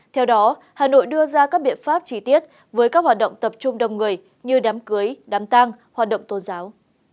theo đó hà nội đưa ra các biện pháp chi tiết với các hoạt động tập trung đông người như đám cưới đám tang hoạt động tôn giáo